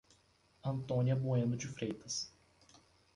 Antônia Bueno de Freitas